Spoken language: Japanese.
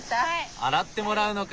洗ってもらうのか。